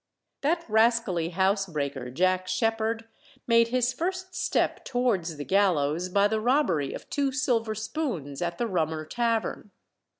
That rascally housebreaker, Jack Sheppard, made his first step towards the gallows by the robbery of two silver spoons at the Rummer Tavern.